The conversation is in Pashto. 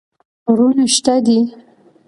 غرونه شته دي.